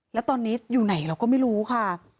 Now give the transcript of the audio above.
แล้วตอนนี้อยู่ไหนเราก็ไม่รู้ค่ะ